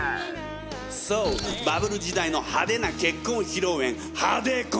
そうバブル時代のハデな結婚披露宴ハデ婚！